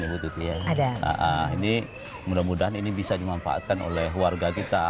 nah ini mudah mudahan ini bisa dimanfaatkan oleh warga kita